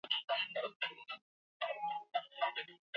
Kundi hilo la wanamgambo lilisema kwenye mtandao wake wa mawasiliano